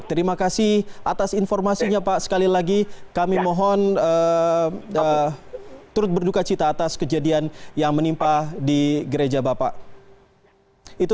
terima kasih atas informasinya pak sekali lagi kami mohon turut berduka cita atas kejadian yang berlaku